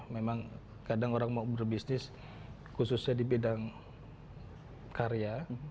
memang kadang orang mau berbisnis khususnya di bidang karya